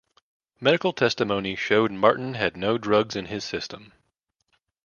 Medical testimony showed Martin had no drugs in his system.